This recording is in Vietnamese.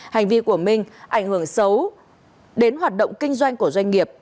hành vi của minh ảnh hưởng xấu đến hoạt động kinh doanh của doanh nghiệp